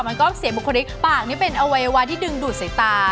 มันก็เสียบุคลิกปากนี่เป็นอวัยวะที่ดึงดูดสายตา